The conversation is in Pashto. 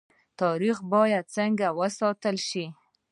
تاریخ باید څنګه وساتل شي؟